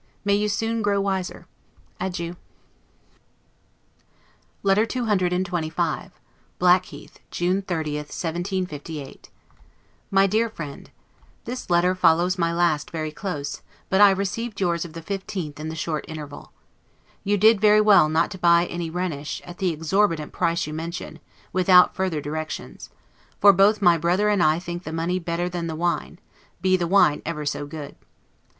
May you soon grow wiser! Adieu. LETTER CCXXV BLACKHEATH, June 30, 1758. MY DEAR FRIEND: This letter follows my last very close; but I received yours of the 15th in the short interval. You did very well not to buy any Rhenish, at the exorbitant price you mention, without further directions; for both my brother and I think the money better than the wine, be the wine ever so good.